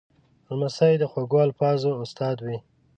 لمسی د خوږو الفاظو استاد وي.